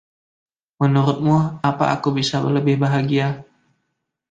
Menurutmu, apa aku bisa lebih bahagia?